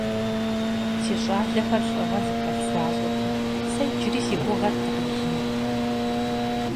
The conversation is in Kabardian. Си щӏалэхэр лӀыгъэ зыхэлъ защӀэти, сэ иджыри сыгугъэрт дыкъелыну.